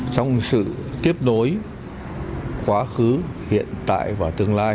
trong sự tiếp đối quá khứ hiện tại và tương lai